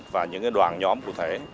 và những đoàn nhóm cụ thể